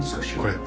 これ。